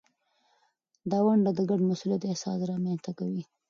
دا ونډه د ګډ مسؤلیت احساس رامینځته کوي.